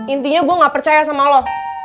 intinya gue gak percaya sama lo